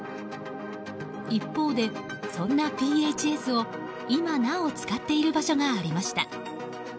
一方で、そんなＰＨＳを今なお、使っている場所がありました。